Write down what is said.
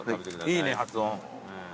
いいね発音。